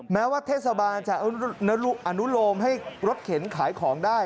แม้ว่าเทศบาลจะอนุโลมให้รถเข็นขายของได้